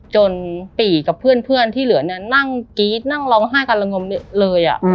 ปี่กับเพื่อนที่เหลือเนี่ยนั่งกรี๊ดนั่งร้องไห้กันละงมเลย